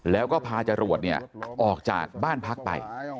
แล้วก็พาจรวดออกจากบ้านพักไป